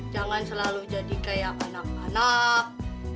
jangan selalu jadi kayak anak anak